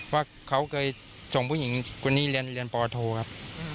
ว่าเขาเคยส่งผู้หญิงคนนี้เรียนปโทครับ